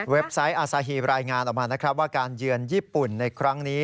เว็บไซต์อาสาฮิรายงานออกมาสว่างานเยือนญี่ปุ่นในครั้งนี้